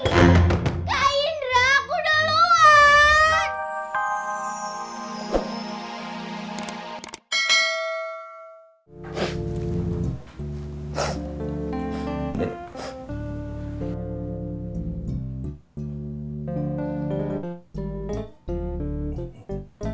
kak indra aku udah luar